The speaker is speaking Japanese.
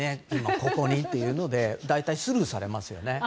ここにっていうことで大体スルーされますよね。